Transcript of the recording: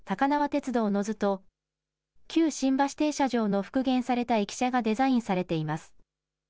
鉄道之図と、旧新橋停車場の復元された駅舎がデザインされています。